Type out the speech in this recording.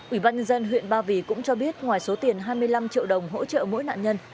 ủy ban nhân dân huyện ba vì cũng cho biết ngoài số tiền hai mươi năm triệu đồng hỗ trợ mỗi nạn nhân